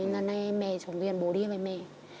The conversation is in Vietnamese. nên em mê xuống viện bố đi em phải mê